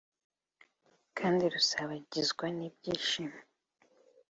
kandi rusabagizwe n’ibyishimo.